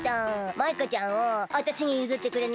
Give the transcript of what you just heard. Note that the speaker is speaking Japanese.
マイカちゃんをあたしにゆずってくれない？